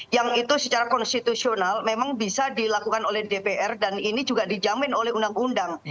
yang itu secara konstitusional memang bisa dilakukan oleh dpr dan ini juga dijamin oleh undang undang